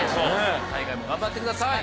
大会も頑張ってください。